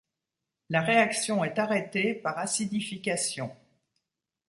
La réaction est arrêtée par acidification.